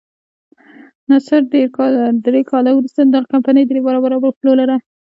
نصر درې کاله وروسته دغه کمپنۍ درې برابره وپلورله.